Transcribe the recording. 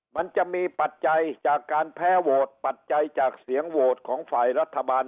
มันจะมีปัจจัยจากการแพ้โหวตปัจจัยจากเสียงโหวตของฝ่ายรัฐบาล